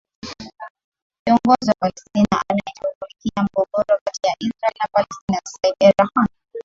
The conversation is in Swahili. kiongozi wa palestina anayeshughulikia mgogoro kati israel na palestina saib era khan